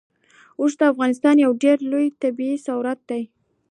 اوښ د افغانستان یو ډېر لوی طبعي ثروت دی.